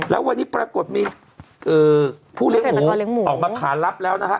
แล้ววันนี้ปรากฏมีผู้เลี้ยงหมูออกมาขารับแล้วนะฮะ